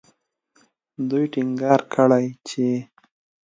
دوی ټینګار کړی چې